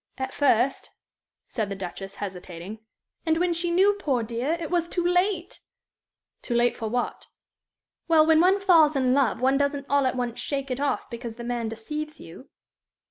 "At first," said the Duchess, hesitating. "And when she knew, poor dear, it was too late!" "Too late for what?" "Well, when one falls in love one doesn't all at once shake it off because the man deceives you."